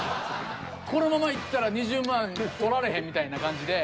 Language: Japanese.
このままいったら２０万獲られへんみたいな感じで。